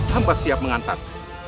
hampa siap mengantar